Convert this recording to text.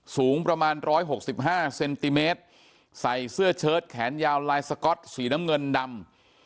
สูงประมาณร้อยหกสิบห้าเซนติเมตรใส่เสื้อเชิร์ตแขนยาวลายสก๊อตสีน้ำเงินดำ